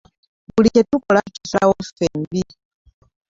Buli kyetukola tukisalawo ffembi.